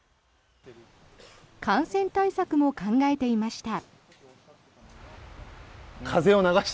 感染対策も考えていました。